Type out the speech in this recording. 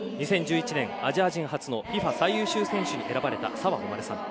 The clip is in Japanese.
２０１１年、アジア人初のＦＩＦＡ最優秀選手に選ばれた澤穂希さん。